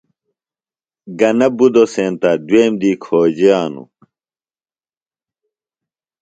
گہ نہ بُدو سینتہ دُوئیم دی کھوجِیانوۡ۔